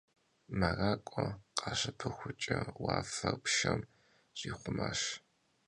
Merak'ue khaşıpıxuç'e, vuafer pşşem ş'ixhumaş.